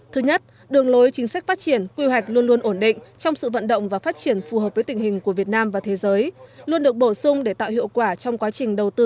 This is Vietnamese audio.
thứ nhất đường lối chính sách phát triển quy hoạch luôn luôn ổn định trong sự vận động và phát triển phù hợp với tình hình của việt nam và thế giới